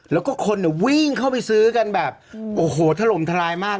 แล้วก็คนวิ่งเข้าไปซื้อกันแบบโอ้โหถล่มทลายมาก